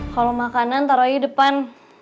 kalau makanan taruh aja depan